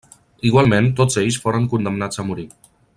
Igualment, tots ells foren condemnats a morir.